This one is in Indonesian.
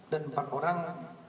dan empat orang